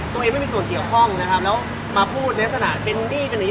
ตัวเองไม่มีส่วนเกี่ยวข้องนะครับแล้วมาพูดแน็ตสนานเป็นหนี้เป็นหนี้